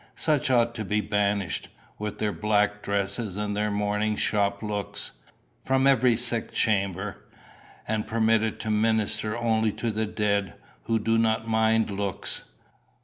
Such ought to be banished, with their black dresses and their mourning shop looks, from every sick chamber, and permitted to minister only to the dead, who do not mind looks.